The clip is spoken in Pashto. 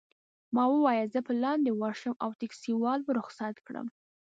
ما وویل: زه به لاندي ورشم او ټکسي والا به رخصت کړم.